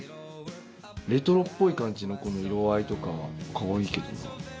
レトロっぽい感じのこの色合いとかはかわいいけどな。